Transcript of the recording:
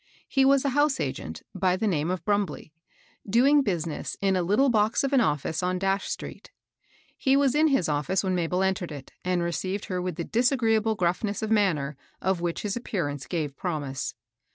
He was a house agent, by the name of Brumblej, doing business in a little box of an office on street. He was in his office when Mabel entered it, and received her with the disagreeable gruffiiess of manner, of which his ap pearance gave promise.